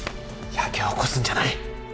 やけを起こすんじゃない。